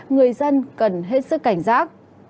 người dân cần hết sức cảnh giác